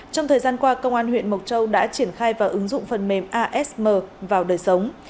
trong thời gian qua công an huyện mộc châu đã triển khai và ứng dụng phần mềm asm vào đời sống